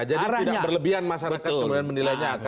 jadi tidak berlebihan masyarakat kemudian menilainya akan kemungkinan